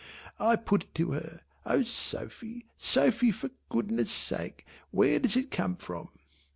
I put it to her "O Sophy Sophy for goodness' goodness' sake where does it come from?"